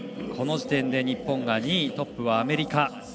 この時点で日本は２位トップはアメリカ。